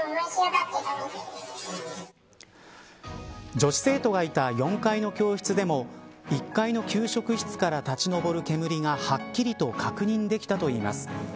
女子生徒がいた４階の教室でも１階の給食室から立ち上る煙がはっきりと確認できたといいます。